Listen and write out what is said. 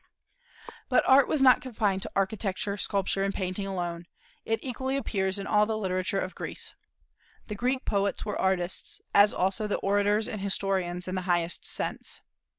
But Art was not confined to architecture, sculpture, and painting alone. It equally appears in all the literature of Greece. The Greek poets were artists, as also the orators and historians, in the highest sense.